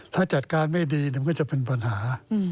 ถ้าจัดการไม่ดีมันก็จะเป็นปัญหา